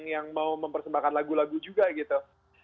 yang mau mempersembahkan lagu lagu juga gitu